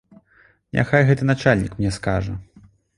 Няхай гэты начальнік мне скажа.